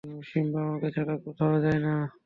Simba আমাকে ছাড়া কোথাও যায় না।